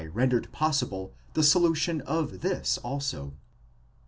rendered possible the solution of this also.